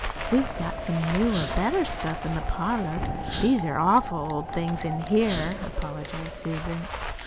"We've got some newer, better stuff in the parlor. These are awful old things in here," apologized Susan.